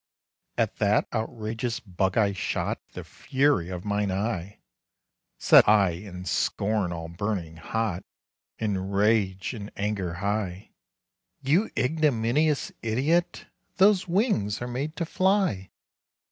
At that outrageous bug I shotThe fury of mine eye; Said I, in scorn all burning hot, In rage and anger high,"You ignominious idiot! Those wings are made to fly!"